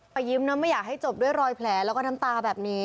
ยิ้มนะไม่อยากให้จบด้วยรอยแผลแล้วก็น้ำตาแบบนี้